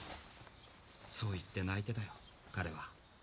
そう言って泣いてたよ彼は。